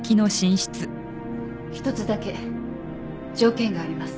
一つだけ条件があります。